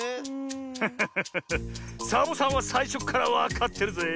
フフフサボさんはさいしょっからわかってるぜえ。